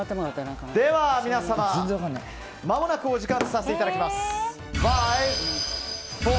では、皆様お時間とさせていただきます。